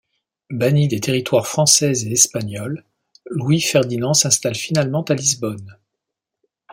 Banni des territoires français et espagnol, Louis-Ferdinand s’installe finalement à Lisbonne.